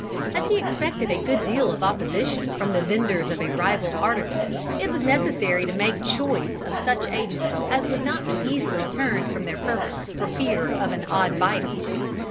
As he expected a good deal of opposition from the venders of a rival article, it was necessary to make choice of such agents as would not be easily turned from their purpose for fear of an odd bite or two.